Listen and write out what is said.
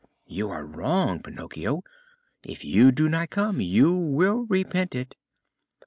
"You are wrong, Pinocchio. If you do not come you will repent it.